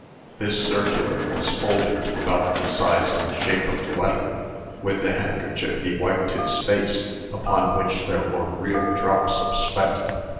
This circular was folded to about the size and shape of the letter. With the handkerchief he wiped his face, upon which there were real drops of sweat.